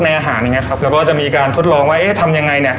ไม่อาหารแล้วก็จะมีการทดลองว่าเอ๊ะทำยังไงเนี่ย